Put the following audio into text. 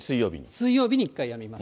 水曜日に一回やみます。